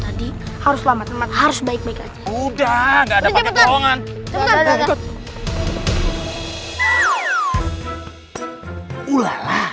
jadi harus selamat harus baik baik aja udah nggak ada bohongan